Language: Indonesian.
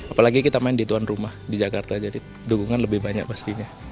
apalagi kita main di tuan rumah di jakarta jadi dukungan lebih banyak pastinya